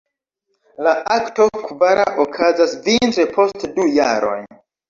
La akto kvara okazas vintre post du jaroj.